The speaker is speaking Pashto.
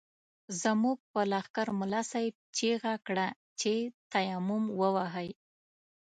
زموږ په لښکر ملا صاحب چيغه کړه چې تيمم ووهئ.